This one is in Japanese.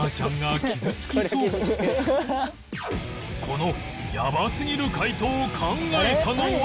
このやばすぎる回答を考えたのは